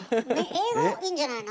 英語いいんじゃないの？